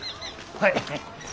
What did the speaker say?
はい。